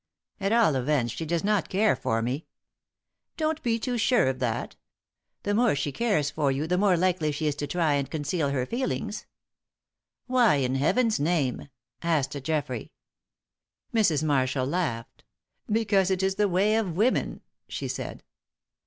"At all events she does not care for me." "Don't be too sure of that. The more she cares for you the more likely she is to try and conceal her feelings." "Why, in Heaven's name?" asked Geoffrey. Mrs. Marshall laughed. "Because it is the way of women," she said.